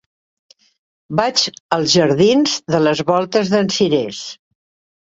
Vaig als jardins de les Voltes d'en Cirés.